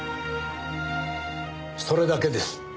それだけです。